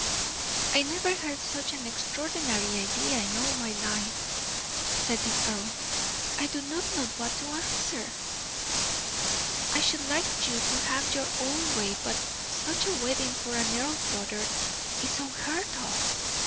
"I never heard such an extraordinary idea in all my life," said the earl. "I do not know what to answer. I should like you to have your own way; but such a wedding for an earl's daughter is unheard of."